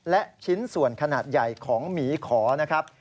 และชิ้นส่วนขนาดใหญ่ของหมีขอนะครับ